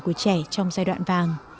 của trẻ trong giai đoạn vàng